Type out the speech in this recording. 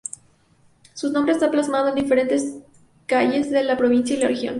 Su nombre esta plasmado en diferentes y calles de la Provincia y la Región.